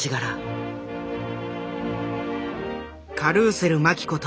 カルーセル麻紀こと